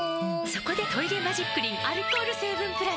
そこで「トイレマジックリン」アルコール成分プラス！